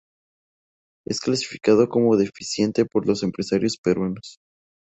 Es clasificado como deficiente por los empresarios peruanos.